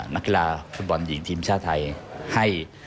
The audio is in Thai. นักกีฬาฟุตบอลหญิงทีมชาติไทยให้